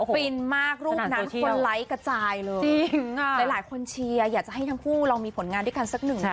ฟินมากรูปนั้นคนไลค์กระจายเลยจริงหลายคนเชียร์อยากจะให้ทั้งคู่ลองมีผลงานด้วยกันสักหนึ่ง